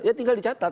ya tinggal dicatat